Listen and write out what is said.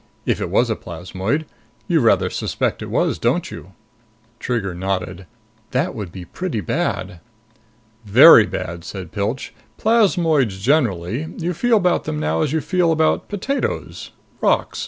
If it was a plasmoid. You rather suspect it was, don't you?" Trigger nodded. "That would be pretty bad!" "Very bad," said Pilch. "Plasmoids generally, you feel about them now as you feel about potatoes ... rocks